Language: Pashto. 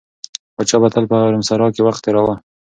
پاچا به تل په حرمسرا کې وخت تېراوه.